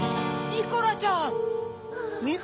ニコラちゃん？